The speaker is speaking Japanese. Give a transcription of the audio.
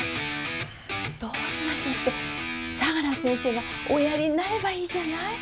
どうしましょうって相良先生がおやりになればいいじゃない。